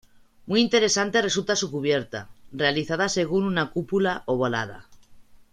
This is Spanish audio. Muy interesante resulta su cubierta, realizada según una cúpula ovalada.